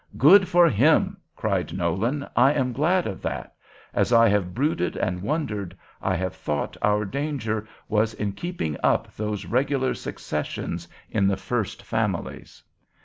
'Good for him!' cried Nolan; 'I am glad of that. As I have brooded and wondered, I have thought our danger was in keeping up those regular successions in the first families.'